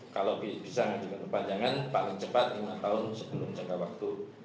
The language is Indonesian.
kalau bisa mengajukan perpanjangan paling cepat lima tahun sebelum jangka waktu